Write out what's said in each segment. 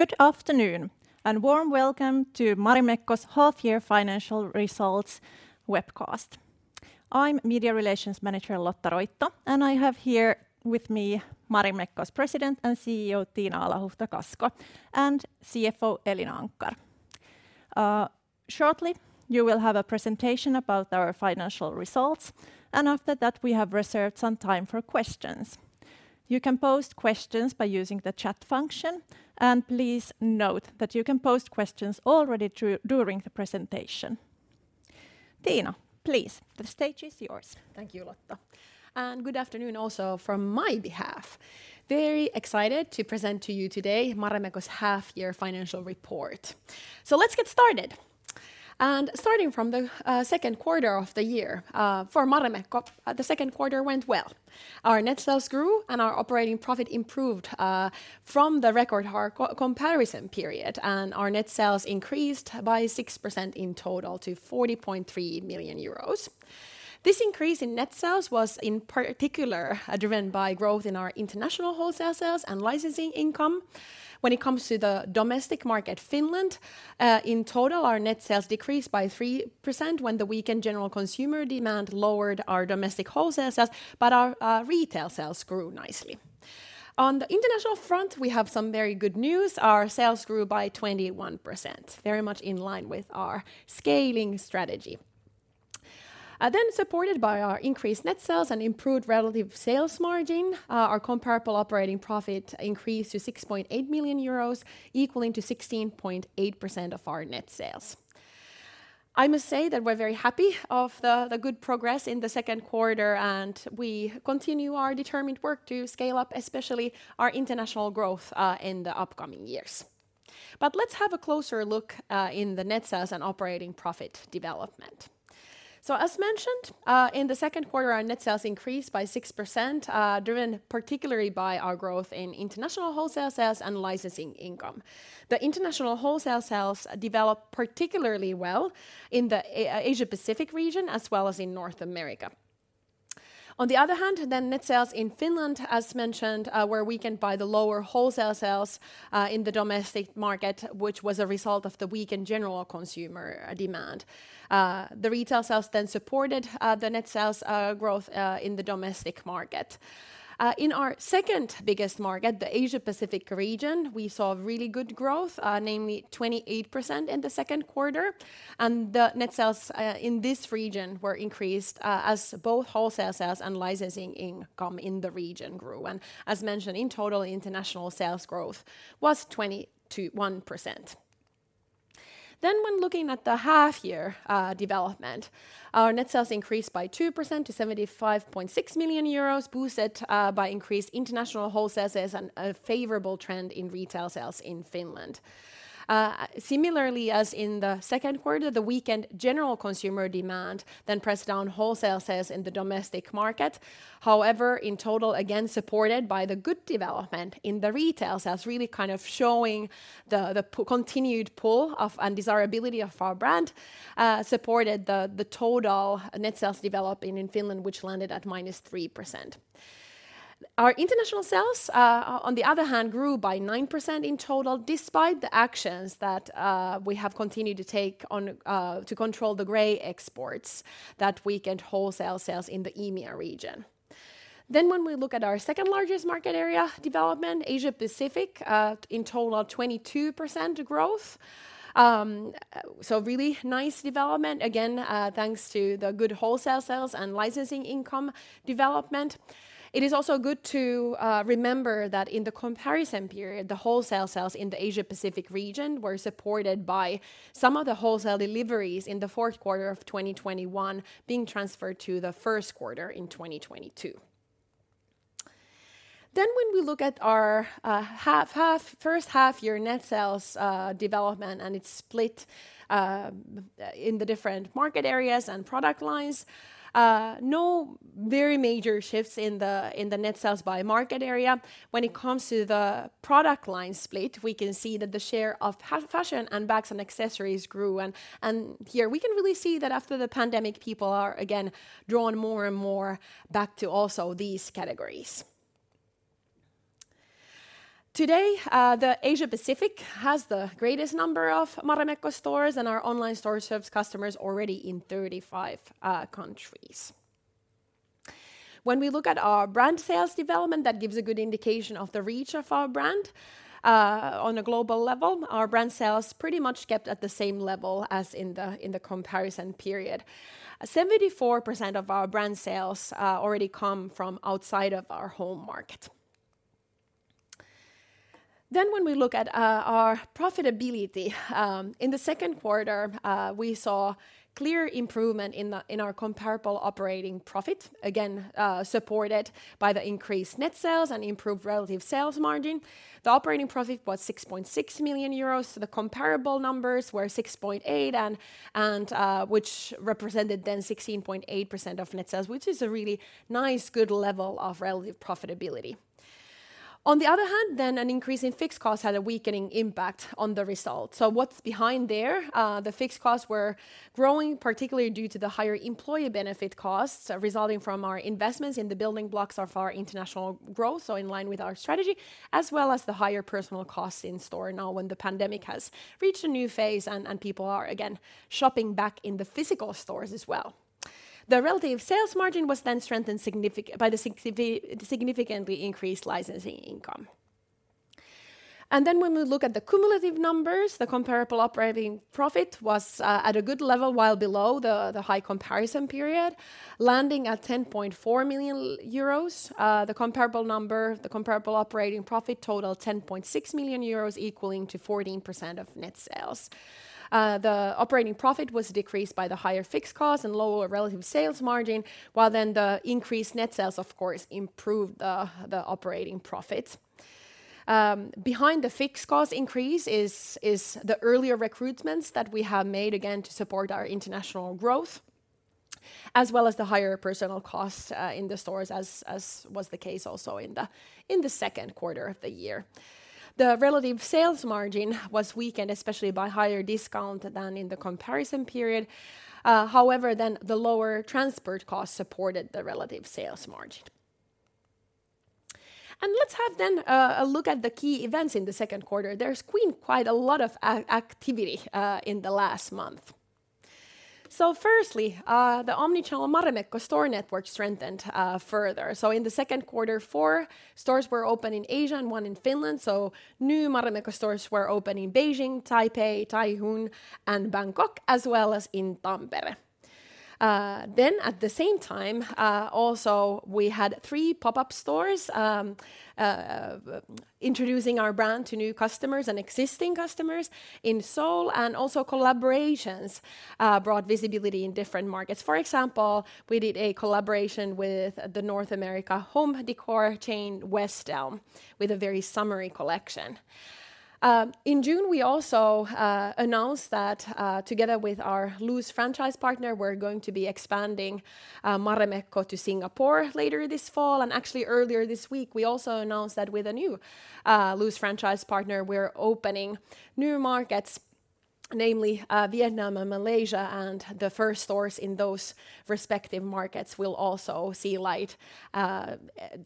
Good afternoon, warm welcome to Marimekko's half-year financial results webcast. I'm Media Relations Manager Lotta Roitto, and I have here with me Marimekko's President and CEO, Tiina Alahuhta-Kasko, and CFO, Elina Anckar. Shortly, you will have a presentation about our financial results, and after that, we have reserved some time for questions. You can post questions by using the chat function, and please note that you can post questions already during the presentation. Tiina, please, the stage is yours. Thank you, Lotta, and good afternoon also from my behalf. Very excited to present to you today Marimekko's half-year financial report. Let's get started. Starting from the second quarter of the year, for Marimekko, the second quarter went well. Our net sales grew, and our operating profit improved from the record high comparison period, and our net sales increased by 6% in total to 40.3 million euros. This increase in net sales was, in particular, driven by growth in our international wholesale sales and licensing income. When it comes to the domestic market, Finland, in total, our net sales decreased by 3% when the weakened general consumer demand lowered our domestic wholesale sales, but our retail sales grew nicely. On the international front, we have some very good news. Our sales grew by 21%, very much in line with our scaling strategy. Supported by our increased net sales and improved relative sales margin, our comparable operating profit increased to 6.8 million euros, equaling to 16.8% of our net sales. I must say that we're very happy of the, the good progress in the second quarter, and we continue our determined work to scale up, especially our international growth, in the upcoming years. Let's have a closer look in the net sales and operating profit development. As mentioned, in the second quarter, our net sales increased by 6%, driven particularly by our growth in international wholesale sales and licensing income. The international wholesale sales developed particularly well in the Asia-Pacific region, as well as in North America. On the other hand, net sales in Finland, as mentioned, were weakened by the lower wholesale sales in the domestic market, which was a result of the weakened general consumer demand. The retail sales supported the net sales growth in the domestic market. In our second biggest market, the Asia-Pacific region, we saw really good growth, namely 28% in the second quarter, and the net sales in this region were increased as both wholesale sales and licensing income in the region grew. As mentioned, in total, international sales growth was 21%. When looking at the half-year development, our net sales increased by 2% to 75.6 million euros, boosted by increased international wholesale sales and a favorable trend in retail sales in Finland. Similarly, as in the second quarter, the weakened general consumer demand pressed down wholesale sales in the domestic market. In total, again, supported by the good development in the retail sales, really kind of showing the, the p- continued pull of and desirability of our brand, supported the, the total net sales developing in Finland, which landed at -3%. Our international sales, on the other hand, grew by 9% in total, despite the actions that we have continued to take on to control the gray market that weakened wholesale sales in the EMEA region. When we look at our second largest market area development, Asia-Pacific, in total, 22% growth, really nice development, again, thanks to the good wholesale sales and licensing income development. It is also good to remember that in the comparison period, the wholesale sales in the Asia-Pacific region were supported by some of the wholesale deliveries in the fourth quarter of 2021 being transferred to the first quarter in 2022. When we look at our first half-year net sales development, and it's split in the different market areas and product lines, no very major shifts in the net sales by market area. When it comes to the product line split, we can see that the share of fashion and bags and accessories grew, and here we can really see that after the pandemic, people are again drawn more and more back to also these categories. Today, the Asia-Pacific has the greatest number of Marimekko stores, and our online store serves customers already in 35 countries. When we look at our brand sales development, that gives a good indication of the reach of our brand. On a global level, our brand sales pretty much kept at the same level as in the, in the comparison period. 74% of our brand sales already come from outside of our home market. When we look at our profitability, in the second quarter, we saw clear improvement in the, in our comparable operating profit, again, supported by the increased net sales and improved relative sales margin. The operating profit was 6.6 million euros, so the comparable numbers were 6.8 million, which represented then 16.8% of net sales, which is a really nice, good level of relative profitability. On the other hand, then an increase in fixed costs had a weakening impact on the result. What's behind there? The fixed costs were growing, particularly due to the higher employee benefit costs, resulting from our investments in the building blocks of our international growth, so in line with our strategy, as well as the higher personnel costs in store now when the pandemic has reached a new phase and people are again shopping back in the physical stores as well. The relative sales margin was then strengthened significantly increased licensing income. When we look at the cumulative numbers, the comparable operating profit was at a good level, while below the high comparison period, landing at 10.4 million euros. The comparable number, the comparable operating profit totaled 10.6 million euros, equaling to 14% of net sales. The operating profit was decreased by the higher fixed costs and lower relative sales margin, while the increased net sales, of course, improved the operating profits. Behind the fixed cost increase is the earlier recruitments that we have made, again, to support our international growth, as well as the higher personnel costs in the stores, as was the case also in the second quarter of the year. The relative sales margin was weakened, especially by higher discount than in the comparison period. However, then the lower transport costs supported the relative sales margin. Let's have then a, a look at the key events in the second quarter. There's been quite a lot of activity in the last month. Firstly, the omnichannel Marimekko store network strengthened further. In the second quarter, four stores were opened in Asia and one in Finland. New Marimekko stores were opened in Beijing, Taipei, Taichung, and Bangkok, as well as in Tampere. At the same time, also, we had three pop-up stores, introducing our brand to new customers and existing customers in Seoul, and also collaborations brought visibility in different markets. For example, we did a collaboration with the North America home decor chain, West Elm, with a very summery collection. In June, we also announced that, together with our loose franchise partner, we're going to be expanding Marimekko to Singapore later this fall. Actually, earlier this week, we also announced that with a new loose franchise partner, we're opening new markets, namely Vietnam and Malaysia, and the first stores in those respective markets will also see light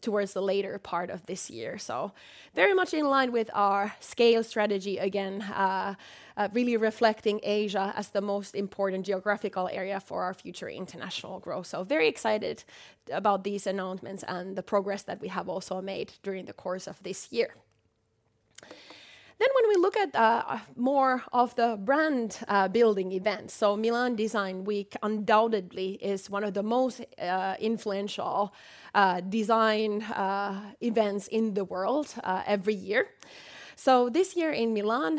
towards the later part of this year. Very much in line with our scale strategy, again, really reflecting Asia as the most important geographical area for our future international growth. Very excited about these announcements and the progress that we have also made during the course of this year. When we look at more of the brand building events, Milan Design Week undoubtedly is one of the most influential design events in the world every year. This year in Milan,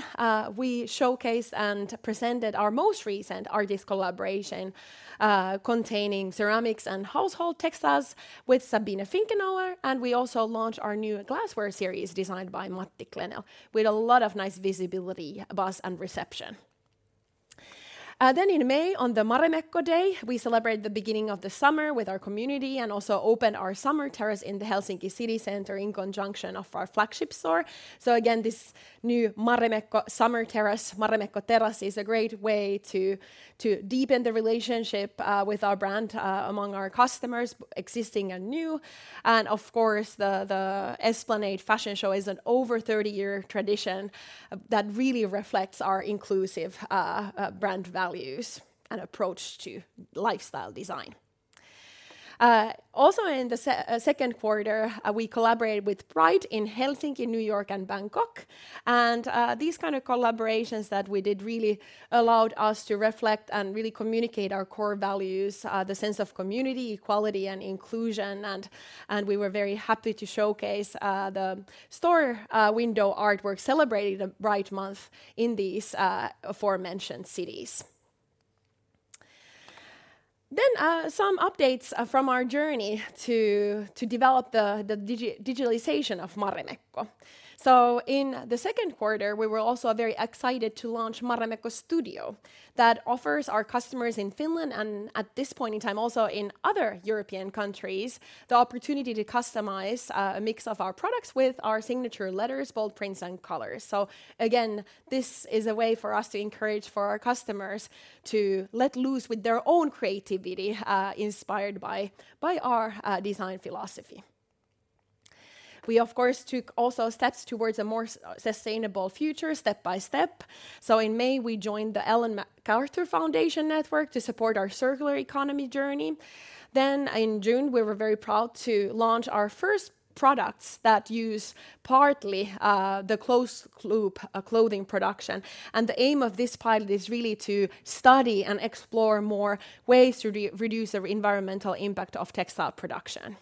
we showcased and presented our most recent artist collaboration, containing ceramics and household textiles with Sabine Finkenauer, and we also launched our new glassware series, designed by Matti Klenell, with a lot of nice visibility, buzz, and reception. In May, on the Marimekko Day, we celebrated the beginning of the summer with our community and also opened our summer terrace in the Helsinki city center in conjunction of our flagship store. Again, this new Marimekko summer terrace, Marimekko Terassi, is a great way to, to deepen the relationship with our brand among our customers, existing and new. Of course, the Esplanade Fashion Show is an over 30-year tradition that really reflects our inclusive brand values and approach to lifestyle design. Also in the second quarter, we collaborated with Pride in Helsinki, New York, and Bangkok. These kind of collaborations that we did really allowed us to reflect and really communicate our core values, the sense of community, equality, and inclusion, and we were very happy to showcase the store window artwork, celebrating the Pride month in these aforementioned cities. Some updates from our journey to develop the digitalization of Marimekko. In the second quarter, we were also very excited to launch Marimekko Studio. That offers our customers in Finland, and at this point in time, also in other European countries, the opportunity to customize a mix of our products with our signature letters, bold prints, and colors. Again, this is a way for us to encourage for our customers to let loose with their own creativity, inspired by, by our design philosophy. We, of course, took also steps towards a more sustainable future, step by step. In May, we joined the Ellen MacArthur Foundation network to support our circular economy journey. In June, we were very proud to launch our first products that use partly the closed-loop clothing production, and the aim of this pilot is really to study and explore more ways to reduce the environmental impact of textile production.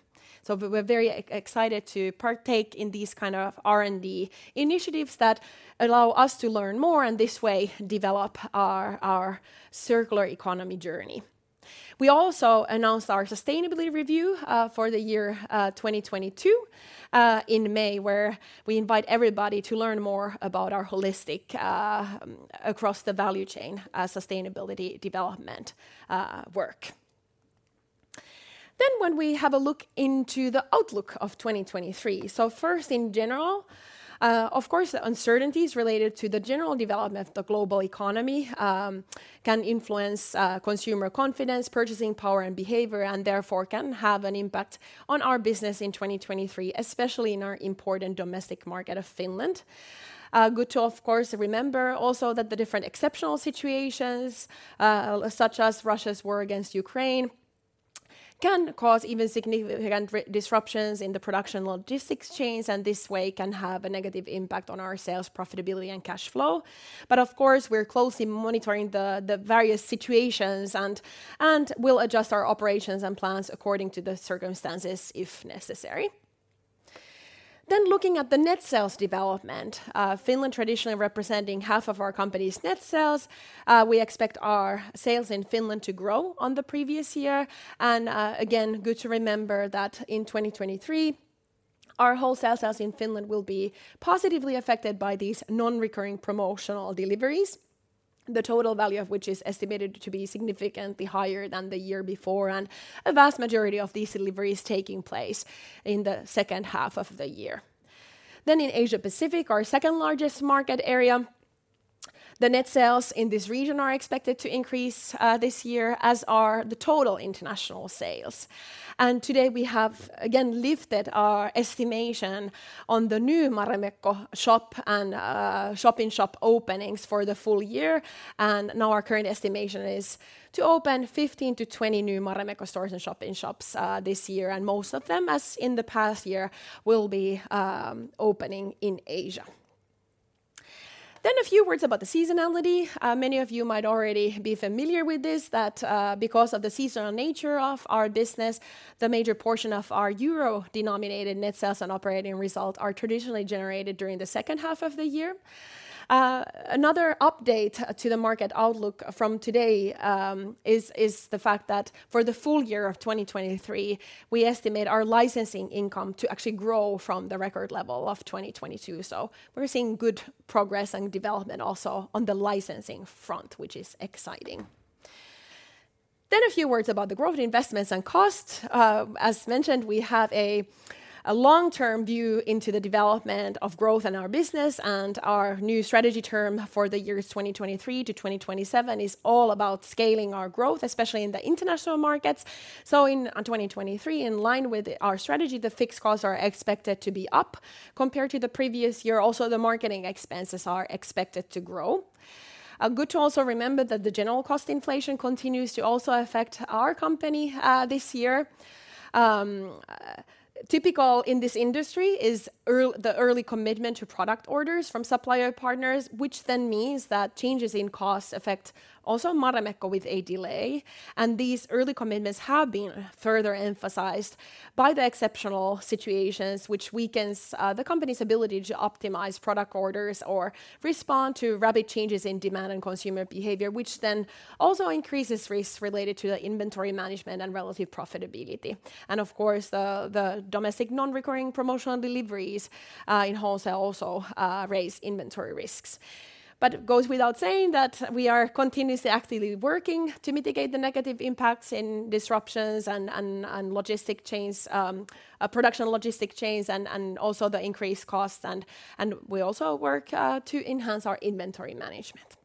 We're very excited to partake in these kind of R&D initiatives that allow us to learn more, and this way, develop our circular economy journey. We also announced our sustainability review for the year 2022 in May, where we invite everybody to learn more about our holistic, across-the-value-chain, sustainability development work. When we have a look into the outlook of 2023. First, in general, of course, the uncertainties related to the general development of the global economy can influence consumer confidence, purchasing power, and behavior, and therefore can have an impact on our business in 2023, especially in our important domestic market of Finland. Good to, of course, remember also that the different exceptional situations, such as Russia's war against Ukraine, can cause even significant disruptions in the production logistics chains, and this way can have a negative impact on our sales, profitability, and cash flow. Of course, we're closely monitoring the various situations and we'll adjust our operations and plans according to the circumstances, if necessary. Looking at the net sales development, Finland traditionally representing half of our company's net sales, we expect our sales in Finland to grow on the previous year. Again, good to remember that in 2023, our wholesale sales in Finland will be positively affected by these non-recurring promotional deliveries, the total value of which is estimated to be significantly higher than the year before, and a vast majority of these deliveries taking place in the second half of the year. In Asia-Pacific, our second largest market area, the net sales in this region are expected to increase this year, as are the total international sales. Today, we have again lifted our estimation on the new Marimekko shop and shop-in-shop openings for the full year. Now our current estimation is to open 15-20 new Marimekko stores and shop-in-shops this year, and most of them, as in the past year, will be opening in Asia. A few words about the seasonality. Many of you might already be familiar with this, that, because of the seasonal nature of our business, the major portion of our euro-denominated net sales and operating results are traditionally generated during the second half of the year. Another update to the market outlook from today, is the fact that for the full year of 2023, we estimate our licensing income to actually grow from the record level of 2022. We're seeing good progress and development also on the licensing front, which is exciting. A few words about the growth, investments, and costs. As mentioned, we have a long-term view into the development of growth in our business, and our new strategy term for the years 2023 to 2027 is all about scaling our growth, especially in the international markets. In 2023, in line with our strategy, the fixed costs are expected to be up compared to the previous year. Also, the marketing expenses are expected to grow. Good to also remember that the general cost inflation continues to also affect our company this year. Typical in this industry is the early commitment to product orders from supplier partners, which then means that changes in costs affect also Marimekko with a delay. These early commitments have been further emphasized by the exceptional situations, which weakens the company's ability to optimize product orders or respond to rapid changes in demand and consumer behavior, which then also increases risks related to the inventory management and relative profitability. Of course, the, the domestic non-recurring promotional deliveries in wholesale also raise inventory risks. It goes without saying that we are continuously actively working to mitigate the negative impacts in disruptions and logistic chains, production logistic chains, and also the increased costs. We also work to enhance our inventory management.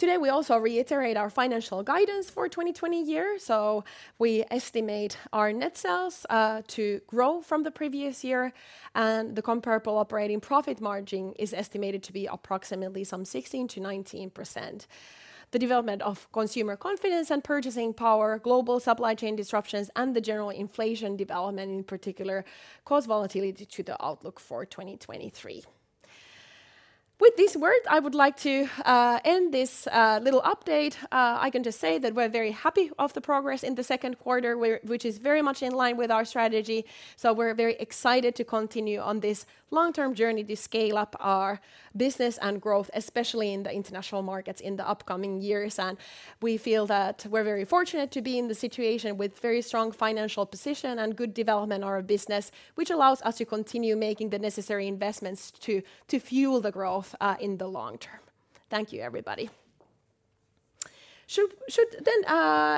Today, we also reiterate our financial guidance for 2020 year, so we estimate our net sales to grow from the previous year, and the comparable operating profit margin is estimated to be approximately 16%-19%. The development of consumer confidence and purchasing power, global supply chain disruptions, and the general inflation development, in particular, cause volatility to the outlook for 2023. With these words, I would like to end this little update. I can just say that we're very happy of the progress in the second quarter, which is very much in line with our strategy. We're very excited to continue on this long-term journey to scale up our business and growth, especially in the international markets in the upcoming years. We feel that we're very fortunate to be in the situation with very strong financial position and good development of our business, which allows us to continue making the necessary investments to, to fuel the growth in the long term. Thank you, everybody. Should, should then,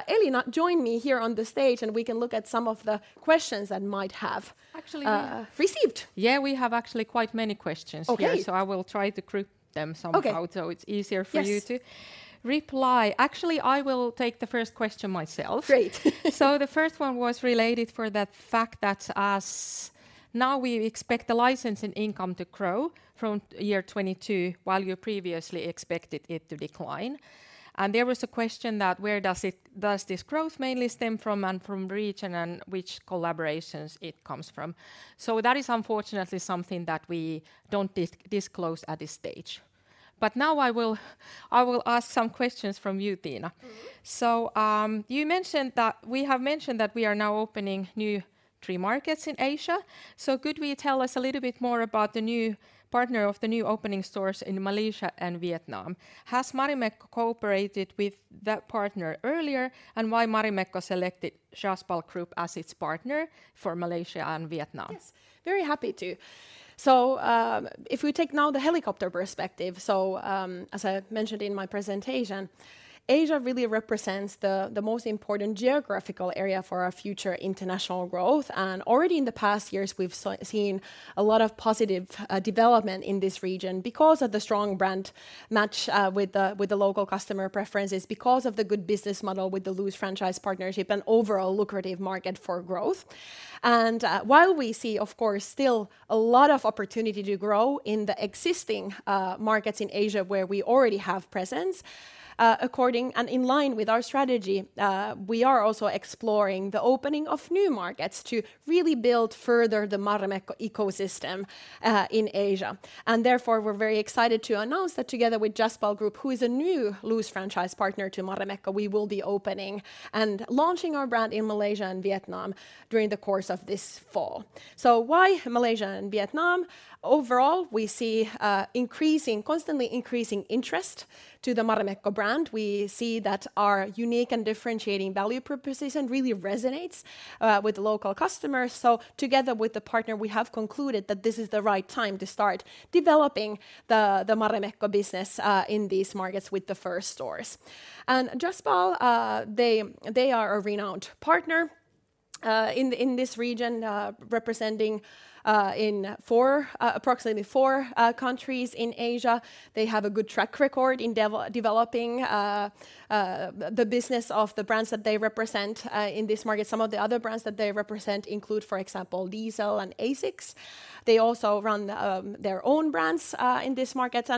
Elina join me here on the stage, and we can look at some of the questions that might have- Actually. -received. Yeah, we have actually quite many questions here. Okay. I will try to group them somehow. Okay... so it's easier for you- Yes... to reply. Actually, I will take the first question myself. Great. The first one was related for that fact that as now we expect the licensing income to grow from year 2022, while you previously expected it to decline. There was a question that, where does this growth mainly stem from, and from region, and which collaborations it comes from? That is unfortunately something that we don't disclose at this stage. Now I will ask some questions from you, Tiina. Mm-hmm. You mentioned that- we have mentioned that we are now opening new three markets in Asia. Could we tell us a little bit more about the new partner of the new opening stores in Malaysia and Vietnam? Has Marimekko cooperated with that partner earlier, and why Marimekko selected Jaspal Group as its partner for Malaysia and Vietnam? Yes, very happy to. If we take now the helicopter perspective, as I mentioned in my presentation, Asia really represents the most important geographical area for our future international growth. Already in the past years, we've seen a lot of positive development in this region because of the strong brand match with the local customer preferences, because of the good business model with the loose franchise partnership, and overall lucrative market for growth. While we see, of course, still a lot of opportunity to grow in the existing markets in Asia, where we already have presence, according and in line with our strategy, we are also exploring the opening of new markets to really build further the Marimekko ecosystem in Asia. Therefore, we're very excited to announce that together with Jaspal Group, who is a new loose franchise partner to Marimekko, we will be opening and launching our brand in Malaysia and Vietnam during the course of this fall. Why Malaysia and Vietnam? Overall, we see a increasing, constantly increasing interest to the Marimekko brand. We see that our unique and differentiating value proposition really resonates with the local customers. Together with the partner, we have concluded that this is the right time to start developing the Marimekko business in these markets with the first stores. Jaspal, they, they are a renowned partner in, in this region, representing in four, approximately four, countries in Asia. They have a good track record in developing the business of the brands that they represent in this market. Some of the other brands that they represent include, for example, Diesel and ASICS. They also run their own brands in this market.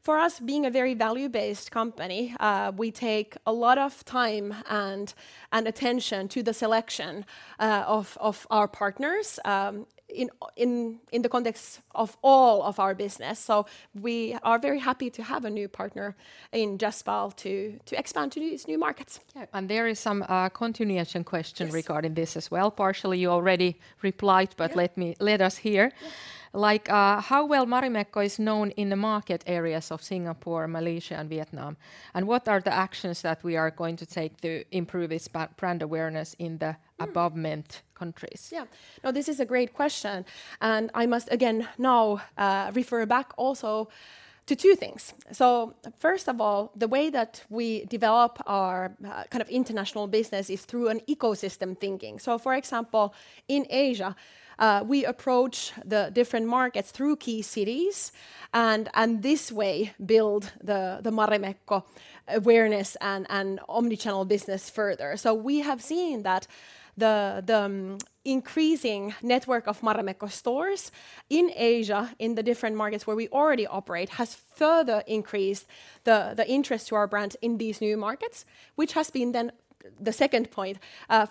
For us, being a very value-based company, we take a lot of time and, and attention to the selection of, of our partners, in, in, in the context of all of our business. We are very happy to have a new partner in Jaspal to, to expand to these new markets. Yeah, there is some, continuation question. Yes regarding this as well. Partially, you already replied- Yeah let me, let us hear. Yeah. Like, how well Marimekko is known in the market areas of Singapore, Malaysia, and Vietnam, and what are the actions that we are going to take to improve its brand awareness? Mm above-mentioned countries? Yeah. This is a great question, and I must again now refer back also to two things. First of all, the way that we develop our kind of international business is through an ecosystem thinking. For example, in Asia, we approach the different markets through key cities, and, and this way, build the, the Marimekko awareness and, and omnichannel business further. We have seen that the increasing network of Marimekko stores in Asia, in the different markets where we already operate, has further increased the interest to our brand in these new markets, which has been then, the second point,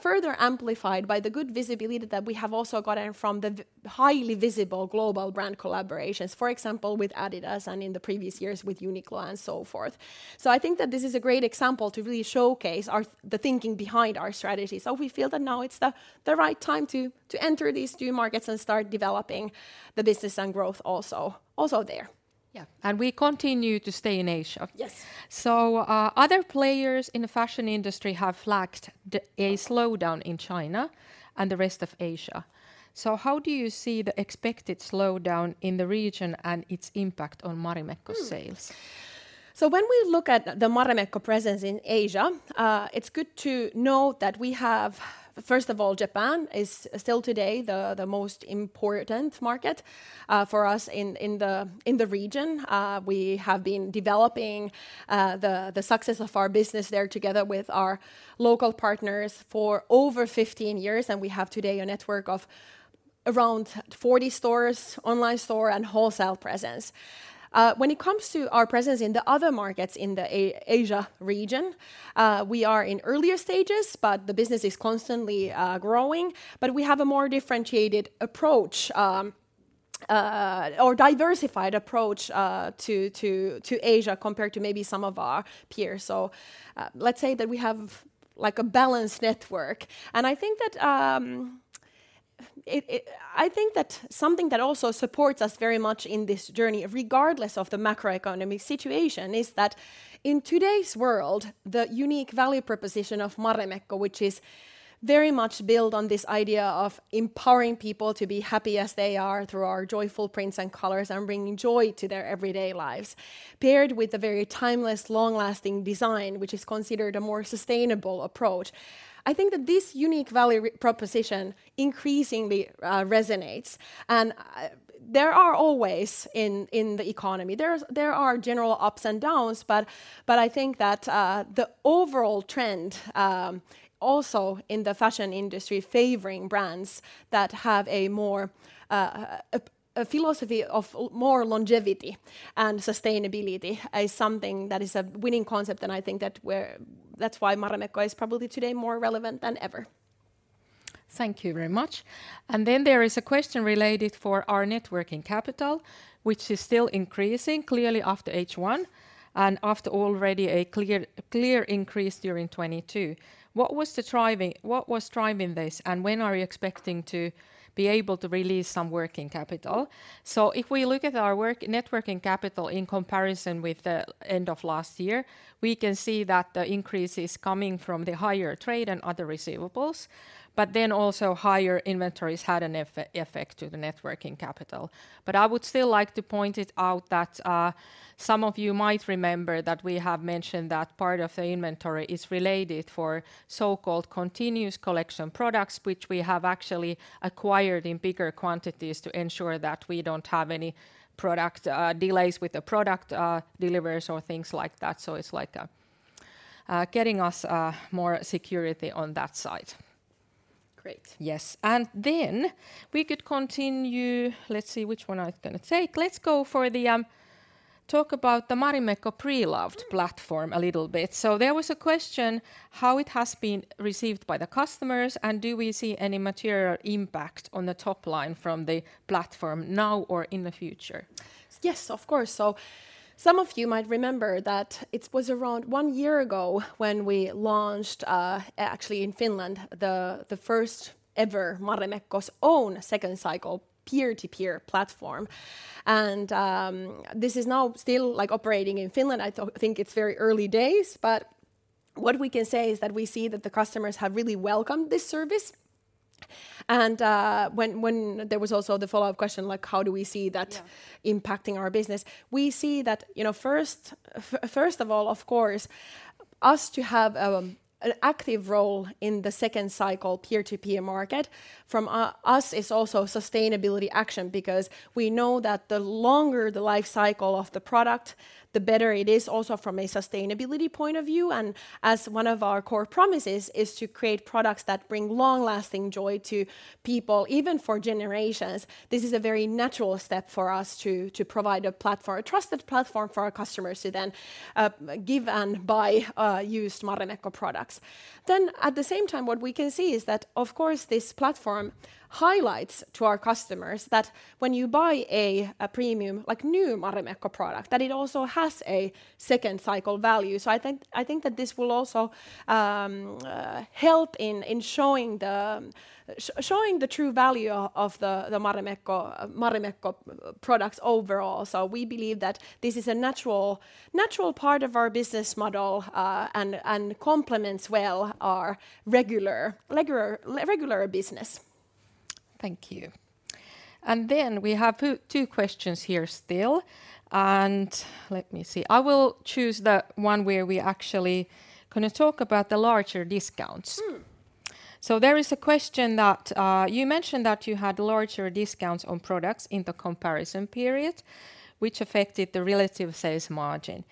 further amplified by the good visibility that we have also gotten from the highly visible global brand collaborations. For example, with Adidas and in the previous years, with Uniqlo and so forth. I think that this is a great example to really showcase our the thinking behind our strategy. We feel that now it's the the right time to to enter these new markets and start developing the business and growth also, also there. Yeah, we continue to stay in Asia. Yes. Other players in the fashion industry have flagged a slowdown in China and the rest of Asia. How do you see the expected slowdown in the region and its impact on Marimekko's sales? When we look at the Marimekko presence in Asia, it's good to note that we have, first of all, Japan is still today the most important market for us in the region. We have been developing the success of our business there together with our local partners for over 15 years, and we have today a network of around 40 stores, online store, and wholesale presence. When it comes to our presence in the other markets in the Asia region, we are in earlier stages, but the business is constantly growing, but we have a more differentiated approach or diversified approach to Asia, compared to maybe some of our peers. Let's say that we have like a balanced network. I think that it, it I think that something that also supports us very much in this journey, regardless of the macroeconomic situation, is that in today's world, the unique value proposition of Marimekko, which is very much built on this idea of empowering people to be happy as they are through our joyful prints and colors and bringing joy to their everyday lives, paired with a very timeless, long-lasting design, which is considered a more sustainable approach, I think that this unique value proposition increasingly resonates. There are always in, in the economy, there are general ups and downs, but, but I think that the overall trend, also in the fashion industry, favoring brands that have a more, a philosophy of more longevity and sustainability, is something that is a winning concept, and I think that that's why Marimekko is probably today more relevant than ever. Thank you very much. Then there is a question related for our net working capital, which is still increasing clearly after H1 and after already a clear, clear increase during 2022. What was driving this, and when are you expecting to be able to release some working capital? If we look at our net working capital in comparison with the end of last year, we can see that the increase is coming from the higher trade and other receivables, but then also higher inventories had an effect to the net working capital. I would still like to point it out that, some of you might remember that we have mentioned that part of the inventory is related for so-called continuous collection products, which we have actually acquired in bigger quantities to ensure that we don't have any product, delays with the product, deliveries or things like that. It's like, getting us, more security on that side. Great. Yes, then we could continue. Let's see which one I was gonna take. Let's go for the talk about the Marimekko Pre-loved platform. Mm... a little bit. There was a question, how it has been received by the customers, and do we see any material impact on the top line from the platform now or in the future? Yes, of course. Some of you might remember that it was around one year ago when we launched, actually in Finland, the first ever Marimekko's own second cycle peer-to-peer platform. This is now still, like, operating in Finland. I think it's very early days, but what we can say is that we see that the customers have really welcomed this service. There was also the follow-up question, like, how do we see that- Yeah... impacting our business? We see that, you know, first, first of all, of course, us to have an active role in the second cycle peer-to-peer market from us is also sustainability action, because we know that the longer the life cycle of the product, the better it is also from a sustainability point of view. As one of our core promises is to create products that bring long-lasting joy to people, even for generations, this is a very natural step for us to provide a platform, a trusted platform for our customers to then give and buy used Marimekko products. At the same time, what we can see is that, of course, this platform highlights to our customers that when you buy a, a premium, like new Marimekko product, that it also has a second cycle value. I think, I think that this will also help in showing the true value of the Marimekko, Marimekko products overall. We believe that this is a natural, natural part of our business model, and complements well our regular, regular, regular business. Thank you. We have two, two questions here still. Let me see. I will choose the one where we actually gonna talk about the larger discounts. Mm. There is a question that: You mentioned that you had larger discounts on products in the comparison period, which affected the relative sales margin.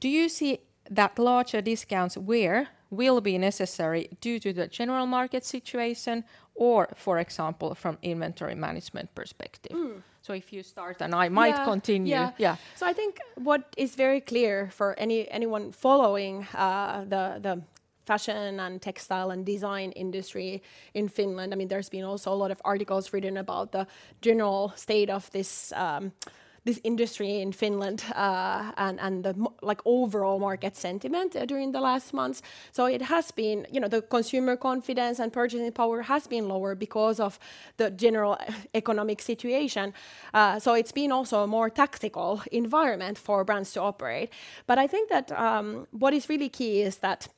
Do you see that larger discounts where will be necessary due to the general market situation or, for example, from inventory management perspective? Mm. If you start, and I might continue. Yeah. Yeah. I think what is very clear for anyone following the fashion and textile and design industry in Finland, I mean, there's been also a lot of articles written about the general state of this industry in Finland, and, like, overall market sentiment during the last months. It has been, you know, the consumer confidence and purchasing power has been lower because of the general economic situation. It's been also a more tactical environment for brands to operate. I think that what is really key is that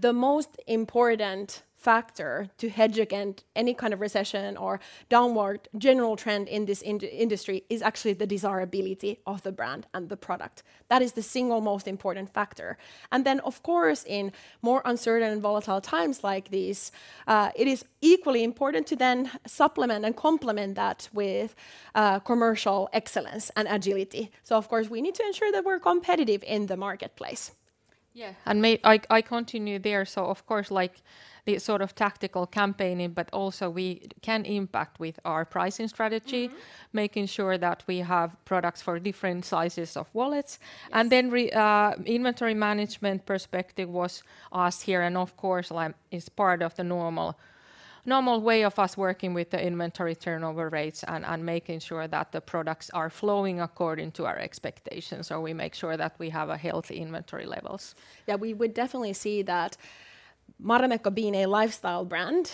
the most important factor to hedge against any kind of recession or downward general trend in this industry is actually the desirability of the brand and the product. That is the single most important factor. Then, of course, in more uncertain and volatile times like these, it is equally important to then supplement and complement that with, commercial excellence and agility. Of course, we need to ensure that we're competitive in the marketplace. Yeah, may I continue there? Of course, like the sort of tactical campaigning, but also we can impact with our pricing strategy. Mm-hmm making sure that we have products for different sizes of wallets. Yes. Inventory management perspective was asked here, and of course, like, is part of the normal, normal way of us working with the inventory turnover rates and, and making sure that the products are flowing according to our expectations, so we make sure that we have a healthy inventory levels. Yeah, we would definitely see that Marimekko, being a lifestyle brand,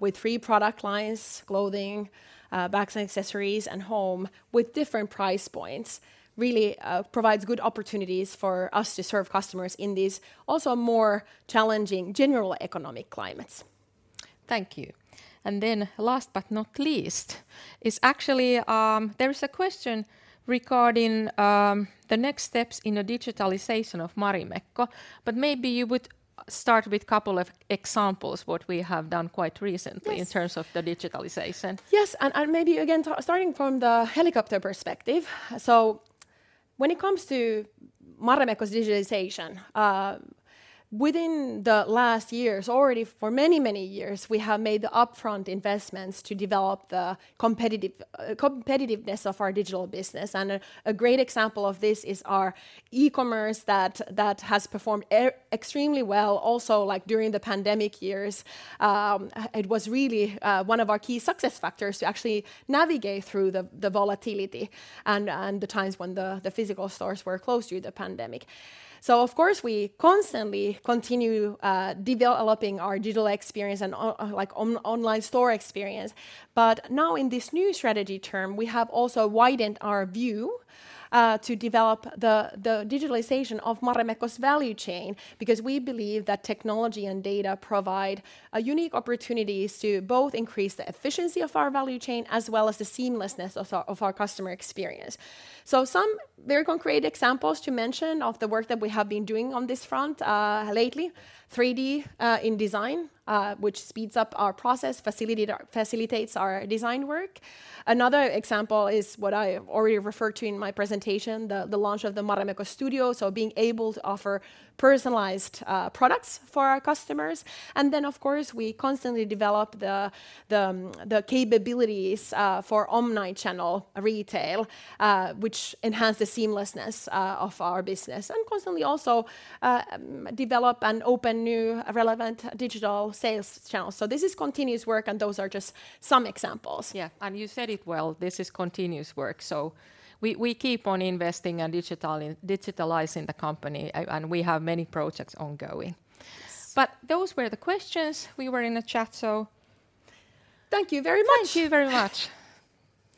with three product lines: clothing, bags and accessories, and home, with different price points, really, provides good opportunities for us to serve customers in these also more challenging general economic climates. Thank you. Last but not least, is actually, there is a question regarding the next steps in the digitalization of Marimekko. Maybe you would start with couple of examples, what we have done quite recently- Yes... in terms of the digitalization. Yes, and maybe again, starting from the helicopter perspective. When it comes to Marimekko's digitalization, within the last years, already for many, many years, we have made the upfront investments to develop the competitive competitiveness of our digital business. A great example of this is our e-commerce that has performed extremely well. Also, like during the pandemic years, it was really one of our key success factors to actually navigate through the volatility and the times when the physical stores were closed due to the pandemic. Of course, we constantly continue developing our digital experience and online store experience. Now, in this new strategy term, we have also widened our view to develop the, the digitalization of Marimekko's value chain, because we believe that technology and data provide a unique opportunities to both increase the efficiency of our value chain, as well as the seamlessness of our, of our customer experience. Some very concrete examples to mention of the work that we have been doing on this front lately, 3D in design, which speeds up our process, facilitates our design work. Another example is what I already referred to in my presentation, the, the launch of the Marimekko Studio, so being able to offer personalized products for our customers. Of course, we constantly develop the, the, the capabilities, for omnichannel retail, which enhance the seamlessness, of our business, and constantly also, develop and open new relevant digital sales channels. This is continuous work, and those are just some examples. Yeah, you said it well, this is continuous work. We keep on investing in digital and digitalizing the company, and we have many projects ongoing. Yes. Those were the questions we were in the chat, so thank you very much! Thank you very much.